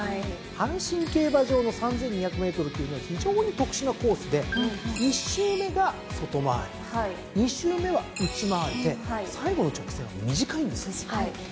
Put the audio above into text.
阪神競馬場の３，２００ｍというのは非常に特殊なコースで１周目が外回り２周目は内回りで最後の直線は短いんです。